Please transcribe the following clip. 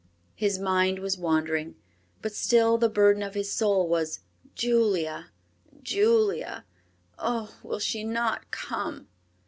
His mind was wandering, but still the burden of his soul was, "Julia, Julia, oh, will she not come?"